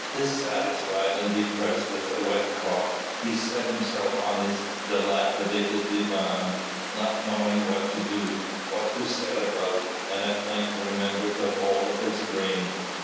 Dissatisfied and depressed as a wet cock, he seated himself on his dilapidated divan, not knowing what to do, what to set about, and at length remembered the whole of his dream.